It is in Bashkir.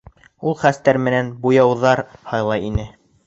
Ул хәстәр менән буяуҙар һайлай ине.